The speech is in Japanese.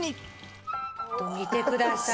見てください。